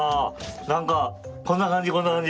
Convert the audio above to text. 何かこんな感じこんな感じ。